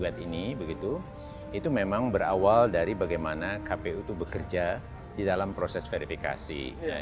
kasus kasus yang di gugat ini begitu itu memang berawal dari bagaimana kput itu bekerja di dalam proses verifikasi